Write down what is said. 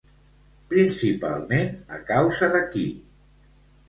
Principalment a causa de qui?